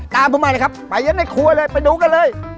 ตามผมมาเลยครับไปกันในครัวเลยไปดูกันเลย